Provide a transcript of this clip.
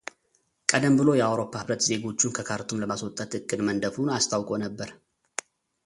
ቀደም ብሎ የአውሮፓ ህብረት ዜጎቹን ከካርቱም ለማስወጣት እቅድ መንደፉን አስታውቆ ነበር።